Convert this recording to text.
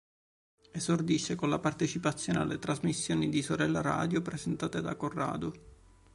Esordisce con la partecipazione alle trasmissioni di "Sorella Radio" presentate da Corrado.